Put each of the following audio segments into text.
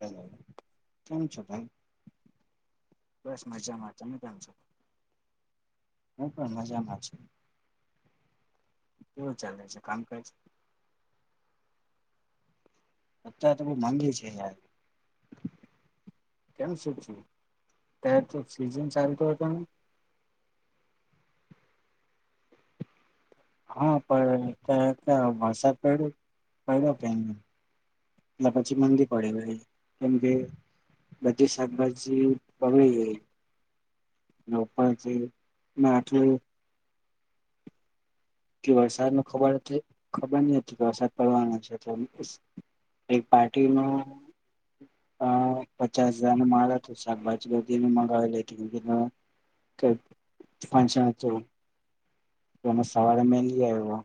Hello કેમ છો ભાઈ? બસ વિચારમાં ચલીકાલ છો. હું પણ મજામાં છું. કેવું ચાલે છે કામ કાજ? અત્યારે તો બવ મંદી છે યાર કેમ, શું છે? અત્યારે તો સીઝન ચાલતું હતું ને! ખાલી હા, પણ પણ કેવું કે વરસાદ પડયો પડયો કે ની એટલે પછી માદી પડેલી, કેમ કે બધી શાકભાજી પલળી ગેલી. ને ઉપરથી કે વરસાદ ન ખબર ખબર ન હતી કે, વરસાદ પડવાનો છે. એટલે એક પાર્ટી નું હ, પચાસ હજારને માર તો શાકભાજી બધીને મંગાવી લેતી. કંઈક ફંકશન હતું, એ સવારે મે લઈ આવ્યો.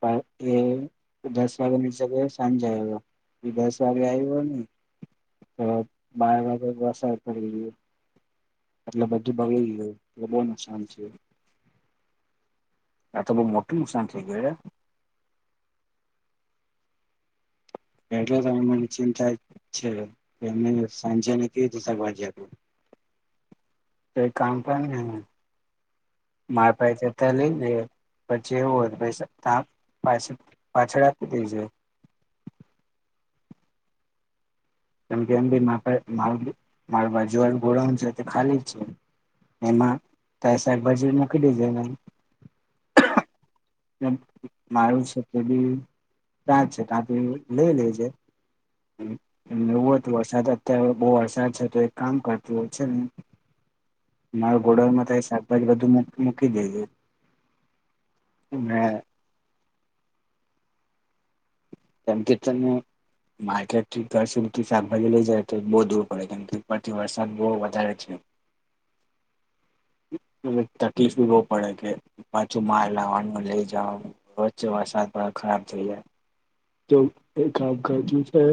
પણ એ દસ વાગ્યાની જગ્યા સાંજે આવ્યો. દસ વાગે આવ્યો ને. તો બાર વાગે વરસાદ પડી ગયો. એટલે બધું બગડી ગયું, એટલે બહુ નુકસાન થયું. આ તો બહુ મોટું નુકસાન થઇ ગયું. એટલે તો મને ચિંતા છે. એમ સાંજે ને કેવી સગવડ? [unintelligible] કંઈક કામ પણને માપતી ત એલી [unintelligible] પછી એવું હોય પાછળ. [unintelligible] કેમ કે એમ બી, મારા ઘર ના બાજુમા તે ખાલી જ છે. એમાં સાહેબ, બજેટમાં મૂકી દીધું ને! મારું છે. કાચ છે, કાપ લેવી લેવી છે. એવું હો તો, વરસાદ અત્યારે બહુ વરસાદ છે, તો એક કામ કરતું હોય છે ને. મારા ગોડાઉનમાં તો શાકભાજી બધું મૂકી દેજ. હ. કેમ કે તને માર્કેટ શાકભાજી લઈ જાય, એટલે બહુ દૂર પડે, પ્રતિ વર્ષ. બહુ વધારે છે. [unintelligible] તકલીફ બહુ પડે, કે પાછું મારે લાવવાનું, લઈ જવાનું વચ્ચે. ખરાબ થઈ જાય, તો એ કામ કરતું છે.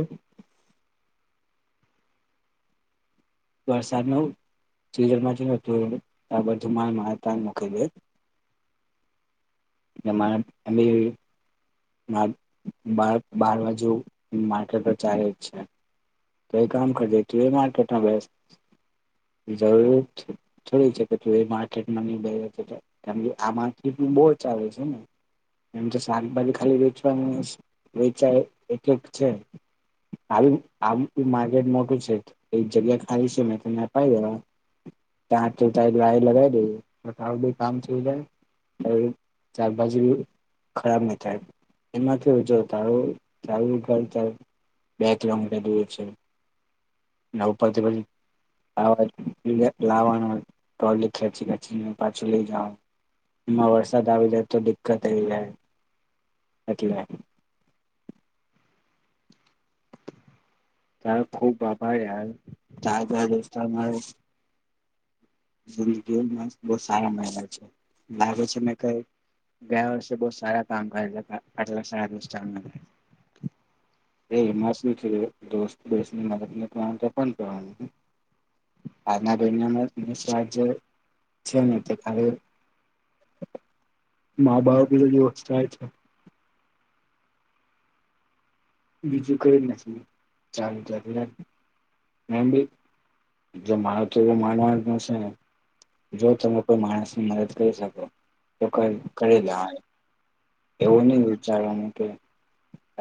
વરસાદ નવ માં બધુંમાં મા મ બે મારાથી બાર બાજુ માર્કેટો ચાલે જ છે. કંઈ કામ કરી દે માર્કેટમાં બેસ જરૂર છોડી શકીએ કેમ કે આમાંથી બહુ આવે છે ને. એમ તો શાકભાજી ખાલી વેચવાની વેચાય એટલે જ છે. આ, એ માર્કેટ મોટું છે. એ જગ્યા ખાલી છે. મે તને અપાઈ દેવા ત્યાં તો. લગાવી દઈ કામ થઈ જાયારભાજી ખરાબ ન થાય, એમાંથી જોર તારુ દૂર છે. ના ઉપ ઉપરથી પી આવા-લાવવાનો, ટોલી ખેચી-ખેચીને પાછું લઈ જવા. એમાં વરસાદ આવી જાય, તો દિકકત આવી જાય, એટલે તા ખૂબ વાપારા તા જ દસ્તો જિંદગીમાં બહુ સારા મેહેલા છે લાગે છે મે કઈ ગયા વર્ષે બહુ સારા કામકા આટલા સારા દિવસો [inaudible] એ એમાં શું છે દોસ્ત દોસ્તની મદદ ન કરવા તો કોણ કરવાન. આના [inaudible] જે છે ને તે કાલે મા બાર બી ઓથાય છે. બીજું કઈ નથી. ચાલે [inaudible] એમ ભાઈ જો મારે તો એ માનવા ન છે ને જો તમે કોઈ માણસની મદદ કરી શકો તો કરી લે. એવું નઈ વિચારવાનું કે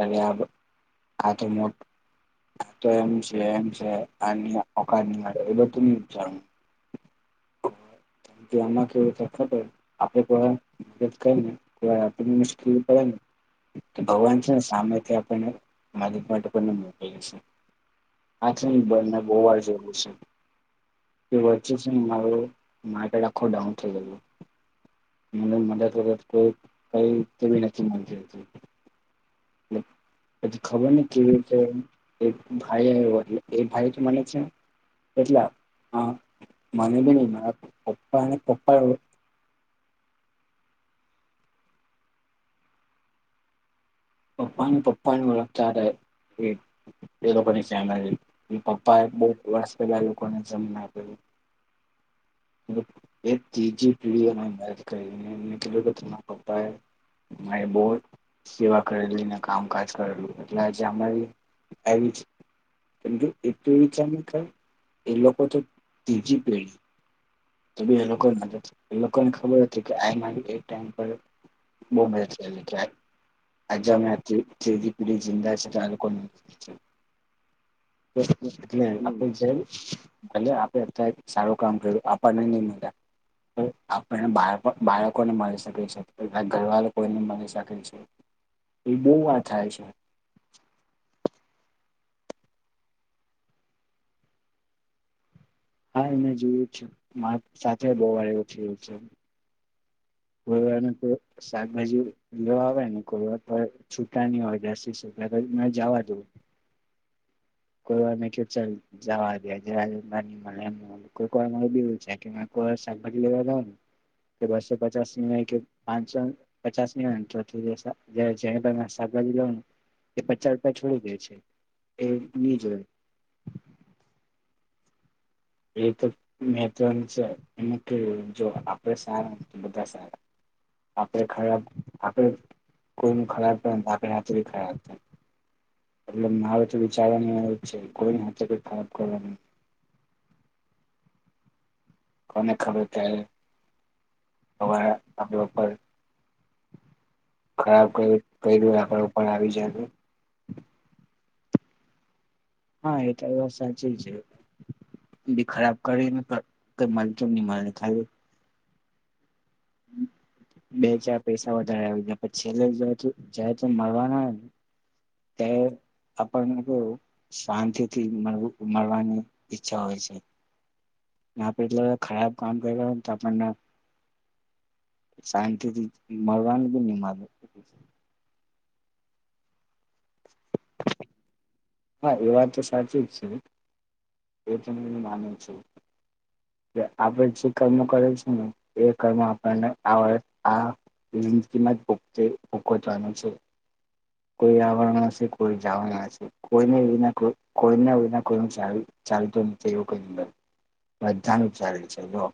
આ આ તો મોટ એમ છે એમ છે અનેની એ બધ વિચાર. હા કેમ કે આમાં કેવું ખબર આપે કો મદદ કરીને કો આપને મુશ્કેલી પડે. ભગવાન છે ને સામેથી આપણને માલિક માટે પણને મોકલે છે. આથ બંને બોવાળ જેવું છે તે વચ્ચે છે મા માટે આખો ડાઉન થઈ ગયો. મને મદદ વગદ કોઈ કઈ કેવી નથી મળતી હતી. હ પછી ખબર ને કેવી રીતે ભાઈ એ ભાઈ તો મને છે. એટલે હા. મનેબે ન મા પપ્પા ને પપ્પા પપ્પામ પપ્પમ ચાલે. [inaudible] પપ્પા [inaudible] એ ત્રીજી પીઢીઓની મે કરીને એમ કધું કે તના પપ્પા એ અ બવ સેવા કરલીને કામકાજ કરેલું એટલે આજે અમારી એ કેમ એ પેઢી ચમે કે એ લોકો તો ત્રીજી પેઢી તો બી લોકો લોકોને ખબર હતી કે આ મારી એ ટાઈમ પર બોવ મહેનત કરી લી ત્યાર. આજે અમે આ પીડી જિંદા છે તો આ લોકો [inaudible] તો એટલે આપ જેમ ભલે આપે અત્યારે સારું કામ કર્યું આપણને ની મજા. આપણને બાળ બાળકોને મળી શકે છે ઘરવાળ કોઈને મળી શકે છે. એ બહુ વાર થાય છે. હા એ મેં જોયું છે મારા સાથે બવ વાર એવું થયું છે. [inaudible] શાકભાજી લેવા આવે ને કોઈ વાર છૂટા નહીં હોય દસવીસ ત્યારે જવા દો. કોઈ વાર ની કે ચલી જવા દે. [inaudible] કોઈવાર શાકભાજી લેવા જાવ ને કે બસો પચાસ ની હોય કે પાંચસો પચાસ ની હોય ને તો જહેાઈ શાકભાજી લાવ એ પચાસ રૂપિયા છોડી દે છે. એ ની જ હોય. એ તો મે છે એ કેયુ જો આપણે સારા તો બધા સારા. આપણે ખરાબ આપણે કોઈ ખરાબ થાય તો આપણું ખરાબ થાય. એટલે મારે તો વિચારવાની એ જ છે કોઈ હાથે ખરાબ કરવાની કોને ખબર ત્યારે હવા આપણા ઉપર ખરાબ કઈ દું આપણેર આવી જાયનું હા એ તો એ વાત સાચી છે બી ખરાબ કરીને કઈ મળતું ની મલે ખાલી બે ચાર પૈસા વધારે આવી ગયા પછી છેલ્લે જોતું જયારે ત મળવાના હોને ત્યારે આપણને તો શાંતિથી મળ મળવાની ઈચ્છા હોય છે નાપ એટલે ખરાબ કામ કરર્યા હોયને તો આપણન શાંતિથી મળવાનું [unintelligible] હા એ વાત તો સાચી જ છે એ તો હુ એ માનું જ છું જે આપડે જે કર્મો કરે છે ને એ કર્મો આપણને આવરત આ જંદગીમાં ભક્તે ભૂકત્વાનું છે. કોઈ આવવાનું હશે કોઈ જવાનું હશે કોઈને વિના કોઈ-કોઈના વિના કોઈ નું ચાલી ચાલ તો નથી એવું કૈ નથી બધાનું ચાલે છે જો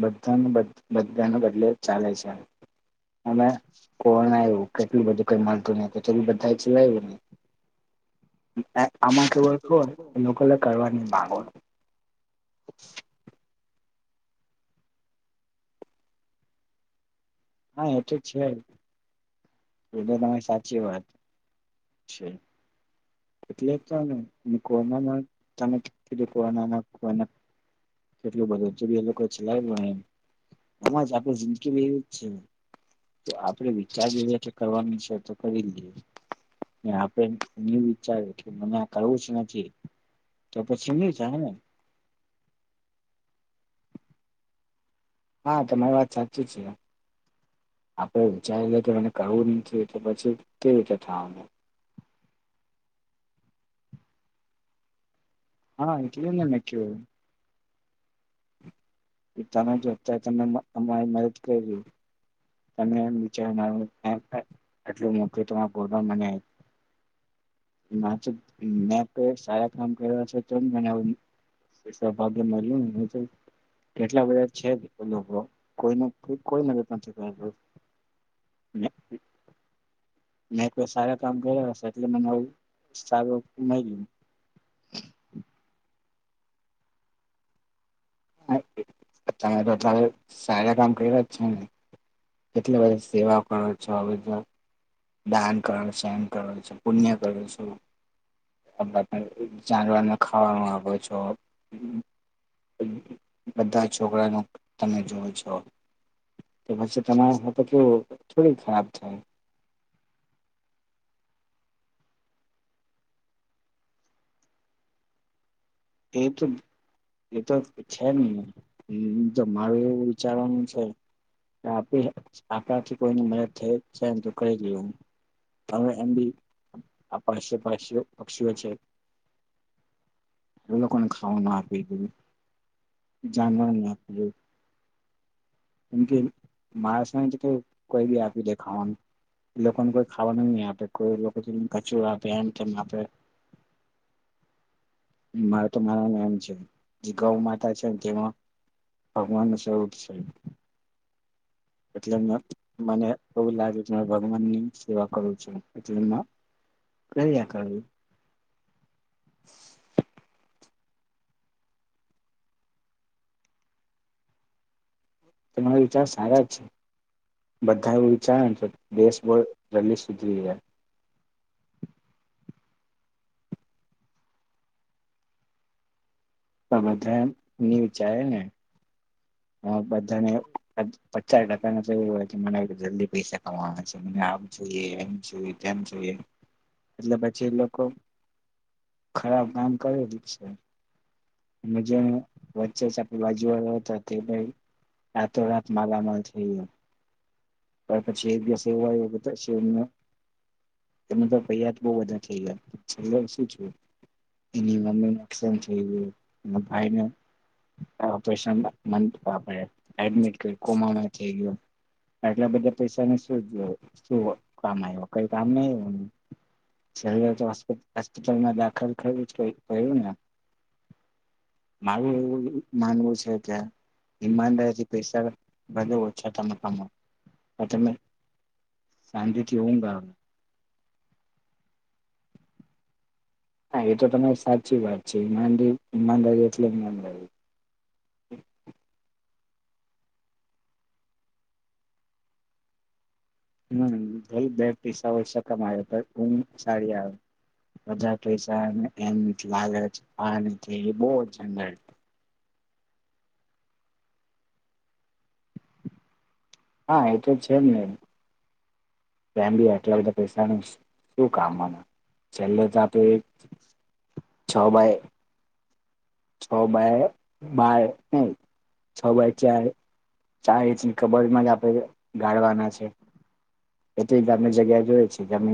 બધાન બધધાને બદલે ચાલે છે. હમે કોણ આવ્યું કેટલું બધું કઈ મળતું નહી [unintelligible] આમાં કેવળ કોણ લોકોને કરવાની માંગ હો [unintelligible] હા એ તો છે એ તો તારી સાચી વાત. છે. એટલે તોને કોના તમે કીધું કોના કોના કેટલું બધું તો બી એ લોકો ચલાયમા એમ જ આપ જિંદગી બી એવી જ છે. તો આપડે વિચારીયે છે કરવાનું છે તો કરી લઈએ. આપણે ઈવુ વિચાર્યું મને આ કરવું જ નથી. તો પછી ની થાય હેને હા તમારી વાત સાચી છે. આપડે વિચારી લે કે મને કરવું નથી તો પછી કેવી રીતે થાવાનું હા એટલેને મેં કેઉ તમે જો અત્યારે તમે અમા-અમારી મદદ કયરી તમે એમ વિચાર [unintelligible] ના તો મેં કૈ સારા કામ કર્યા છે તોજ મને આવું. [unintelligible] કેટલા બધા છે જ એ લોકો કોઈનુ કોઈ [unintelligible] [inaudible] મેં કો સારા કામ કર્યા હશે એટલે મને આવું સારું મળ્યું. [inaudible] તમે તો એટલા સારા કામ કર્યા છે ને કેટલી બધી સેવા કરો છો હવે તો દાન કરો શન કરો છો પુણ્ય કરો છો. [inaudible] જાનવરને ખાવાનું આવે છો. બધા છોકરાનું તમે જોઓ છો. તો પછી તમારે હ તો કેવું થોડી ખરાબ થાય. એ તો એ તો છે ને તમારું એવું વિચારવાનું [inaudible] આપણાથી કોઈની મદદ થઈ છે એ તો કરી લેવુ. હવે એમ બી આ પાશે પાશ્યો પક્ષીઓ છે. એ લોકોને ખાવું ના આપી દીધ જાનવર ના જેવું એમ કેમ [unintelligible] કેવું કે કોઈ બી આપીદે ખાવાનુ લોકોને કોઈ ખાવાનું નહી આપે કોઈ લોકો કચરો આપે એમ તેમ આપે માર તો મારા ન એમ છે જે ગૌ માતા છે તેમાં ભગવાન નું સ્વરૂપ છે. એટલે મને એવું લાગે કે ભગવાન ની સેવા કરું છું એટલે કર્યા કરું. તમારા વિચાર સારા છે. બધા એવું વિચારેને તો દેશ બો જલ્દી સુધરી જાય. તો બધા એમ ની વિચારેને. હહ બધાને પચ પચા ટકાને તો એવું હોય કે મને જલ્દી પૈસા આવાના છે. મને આમ જોઈએ, એમ જોઈએ, તેમ જોઈએ. એટલે પછી એ લોકો ખરાબ કામ કરેલ છે. મજા વચ્ચે જ આપણા બાજુવાળા હતા. તે ભઈ રાતોરાત માલામાલ થઈ ગયો. એના પછી એક દિવસ એવો આઈવો [unintelligible] તમે તો પૈયાત બહુ બધા થઈ ગયા. પછ છેલ્લે શું થયું? એની મમ્મી નક્ષમ થઈ ગયો ન ભાઈને આ ઓપરેશનમાં મન આપડે એડમિટ કર્યું કોમા માં થઈ ગયું. આટલા બધા પૈસાને શું જ શું કામ આઈવો કાઈ કામ ના આયવોને? છેલ્લે તો હોસ્પિટ-હોસ્પિટલમાં દાખલ કર્યું જ કે કર્યું ને? મારું એવું માનવું છે કે ઈમાનદારીથી પૈસા ભલે ઓછા તમે કમાવ પણ તમે શાંતિથી ઊંઘ આવે. હા એ તો તમારી સાચી વાત છે ઈમાનદ-ઈમાનદારી એટલે ઈમાનદારી [inaudible] હમ્મ ભલ બે પિસા ઓસા કમાય પણ ઊંઘ સારી આવે. બધા પૈસાને એમ લાલચ આને તે બઉ ઓછા [inaudible] હા એ તો છે જ ને એમ એમ બી એટલા બધા પૈસાનું શું કામ અને છેલ્લે તો આપે છ બાય છ બાય બાય નહીં છ બાય ચાર ચાલે છે ખબર [inaudible] એટલી ગામની જગ્યા જોઈ છે જમીન